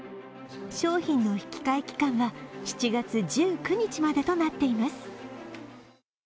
賞品の引き換え期間は７月１９日までとなっています。